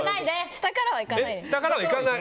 下からはいかない。